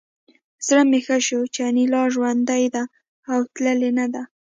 زړه مې ښه شو چې انیلا ژوندۍ ده او تللې نه ده